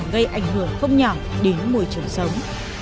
gây ảnh hưởng không nhỏ đến môi trường sống